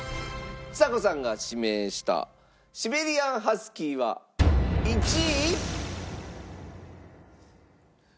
ちさ子さんが指名したシベリアン・ハスキーは１位？